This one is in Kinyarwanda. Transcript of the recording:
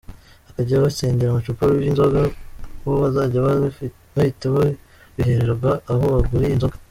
Abazajya batsindira amacupa y’inzoga, bo bazajya bahita babihererwa aho baguriye inzoga.